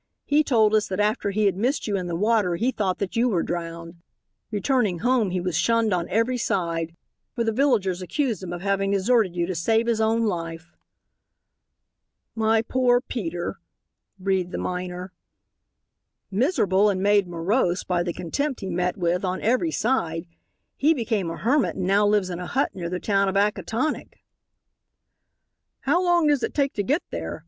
He told us that after he had missed you in the water he thought that you were drowned. Returning home he was shunned on every side, for the villagers accused him of having deserted you to save his own life." "My poor Peter," breathed the miner. "Miserable and made morose by the contempt he met with on every side he became a hermit and now lives in a hut near the town of Acatonick." "How long does it take to get there?